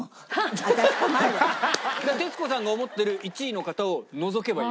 じゃあ徹子さんが思っている１位の方を除けばいい。